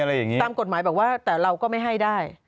อย่างนี้ตามกฎหมายบอกว่าแต่เราก็ไม่ให้ได้